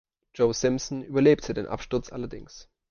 Joe Simpson überlebte den Absturz allerdings.